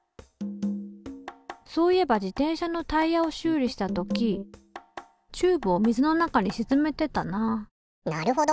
そういえば自転車のタイヤを修理した時チューブを水の中にしずめてたななるほど。